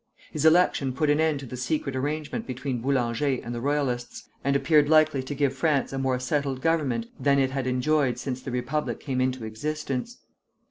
His election put an end to the secret arrangement between Boulanger and the Royalists, and appeared likely to give France a more settled government than it had enjoyed since the Republic came into existence.